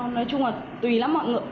nói chung là tùy là mọi người